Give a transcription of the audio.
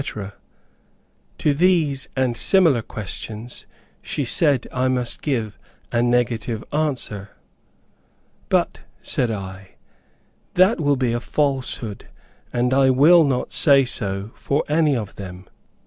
To these and similar questions she said I must give a negative answer. "But," said I, "that will be a falsehood, and I will not say so for any of them."